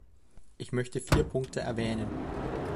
Ich möchte vier Punkte erwähnen.